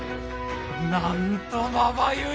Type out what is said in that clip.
なんとまばゆい！